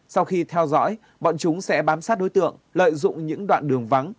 sau khi theo dõi bọn chúng sẽ bám sát đối tượng lợi dụng những đoạn đường vắng